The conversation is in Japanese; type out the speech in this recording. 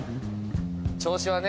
銚子はね